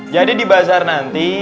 jadi di bazar nanti